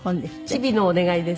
『チビのおねがい』です。